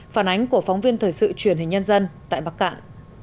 phản ánh của phóng viên thời sự truyền hình nhân dân tại bắc cạn